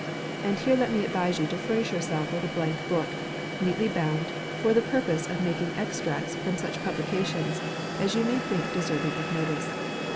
And here let me advise you to furnish yourself with a blank book, neatly bound, for the purpose of making extracts from such publications as you may think deserving of notice.